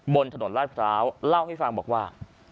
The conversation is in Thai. บนถนนลาดพร้าวเล่าให้ฟังบอกว่า